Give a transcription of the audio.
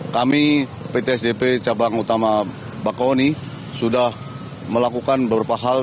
kami pt sdp cabang utama bakaoni sudah melakukan beberapa hal